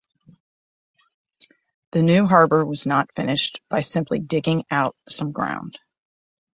The new harbor was not finished by simply digging out some ground.